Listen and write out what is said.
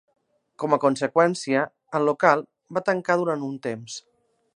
Com a conseqüència, el local, va tancar durant un temps.